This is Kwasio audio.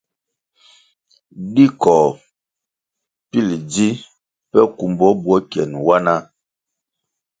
Di koh pil ji peh kumbo bwo kyen wanah.